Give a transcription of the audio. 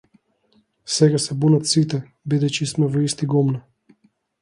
Сега се бунат сите бидејќи сите сме во исти гомна.